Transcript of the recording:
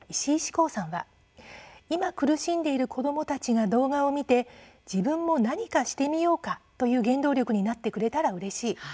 こうさんは今、苦しんでいる子どもたちが動画を見て自分も何かしてみようかという原動力になってくれたらうれしい。